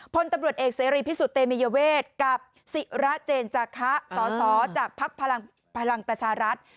พลตำรวจเอกเสรีพิสุทธิ์เตมียเวทกับศิระเจนจาคะสสจากภักดิ์พลังประชารัฐ